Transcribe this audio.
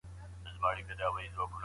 هغه پولیس چي شواهد راټولوي پېښه ژر حلوي.